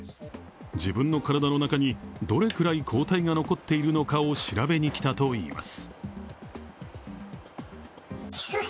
自分の体の中にどれくらい抗体が残っているのかを調べに来たといいます。